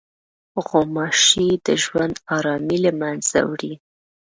غوماشې د ژوند ارامي له منځه وړي.